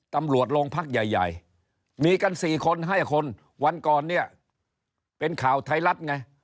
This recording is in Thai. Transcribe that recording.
ตำรวจโรงพักใหญ่ใหญ่มีกัน๔คนให้คนวันก่อนเนี่ยเป็นข่าวไทยรัฐไง